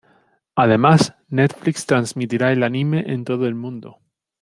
Además Netflix transmitirá el anime en todo el mundo.